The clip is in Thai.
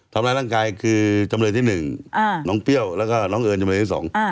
ทำร้ายร่างกายคือจำเลยที่๑น้องเปรี้ยวแล้วก็น้องเอิญจำเลยที่สอง